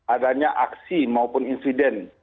adanya aksi maupun insiden